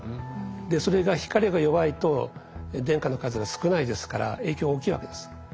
それが光が弱いと電荷の数が少ないですから影響大きいわけです。